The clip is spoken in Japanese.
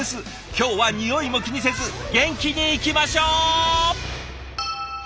今日はにおいも気にせず元気に行きましょう！